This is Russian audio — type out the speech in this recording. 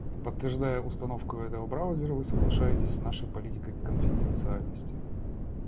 Подтверждая установку этого браузера, вы соглашаетесь с нашей политикой конфиденциальности.